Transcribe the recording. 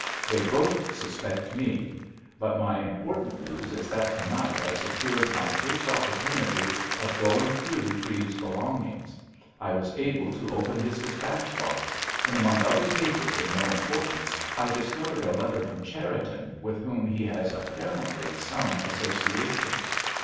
They both suspect me. But my important news is that to night I secured my first opportunity of going through Treves's belongings. I was able to open his dispatch box, and among other papers of no importance, I discovered a letter from Cherriton, with whom he has apparently some association.